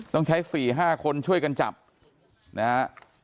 ต้องใช้๔๕คนช่วยกันจับนะฮะ